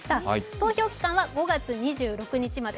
投票期間は５月２６日まで。